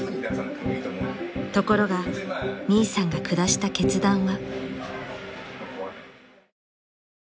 ［ところがミイさんが下した決断は］